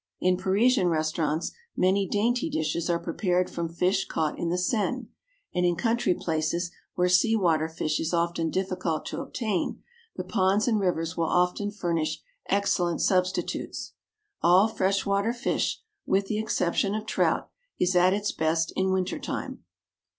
In Parisian restaurants many dainty dishes are prepared from fish caught in the Seine; and in country places where sea water fish is often difficult to obtain, the ponds and rivers will often furnish excellent substitutes. All fresh water fish with the exception of trout is at its best in winter time.